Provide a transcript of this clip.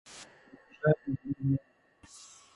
پروژه ملي ویاړ دی.